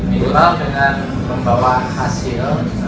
jika dengan membawa hasil